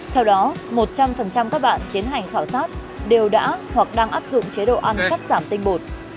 theo đó một trăm linh các bạn tiến hành khảo sát đều đã hoặc đang áp dụng chế độ ăn cắt giảm tinh bột